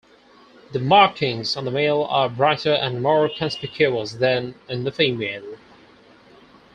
The markings on the male are brighter and more conspicuous than in the female.